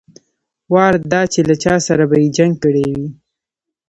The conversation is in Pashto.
وار دا چې له چا سره به يې جنګ کړى وي.